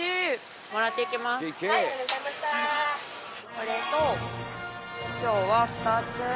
これと今日は２つ。